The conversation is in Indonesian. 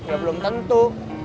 ya belum tentu